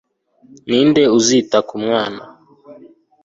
ninde uzita ku mwana